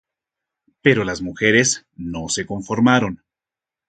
Pero las mujeres no se conformaron.